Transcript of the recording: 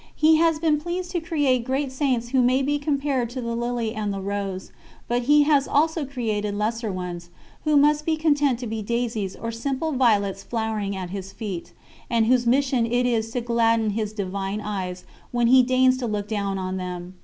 He has been pleased to create great Saints who may be compared to the lily and the rose, but He has also created lesser ones, who must be content to be daisies or simple violets flowering at His Feet, and whose mission it is to gladden His Divine Eyes when He deigns to look down on them.